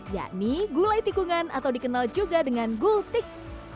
yakni gulai tikungan atau dikenal juga dengan gultik